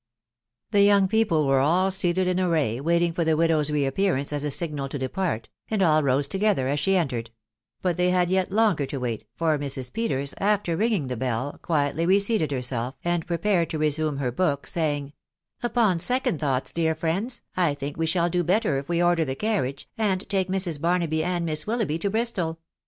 The young people were all seated in array, waiting for the widow's re appearance as a signal to depart, and all rose together as she entered ; but they had yet longer to wait, for Mrs. Peters, after ringing the bell, quietly reseated herself, and prepared to resume her book, saying, —" Upon second thoughts, dear friends, I think we shall do better if we order the carriage, and take Mrs. Barnaby and Miss Willoughby to Bristol.